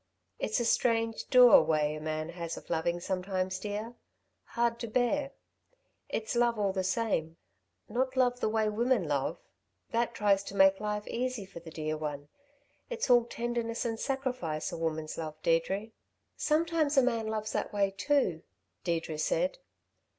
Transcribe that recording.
It's a strange, dour way a man has of loving sometimes, dear hard to bear. It's love all the same not love the way women love that tries to make life easy for the dear one. It's all tenderness and sacrifice a woman's love, Deirdre...." "Sometimes a man loves that way too," Deirdre said.